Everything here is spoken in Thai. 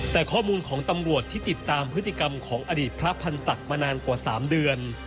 แต่ข้อมูลของตำรวจที่ติดตามพฤติกรรมของอดีตพระพันธ์ศักดิ์มานานกว่า๓เดือน